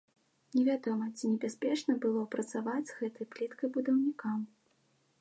Невядома, ці небяспечна было працаваць з гэтай пліткай будаўнікам.